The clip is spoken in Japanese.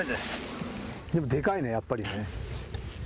でかいね、やっぱりね。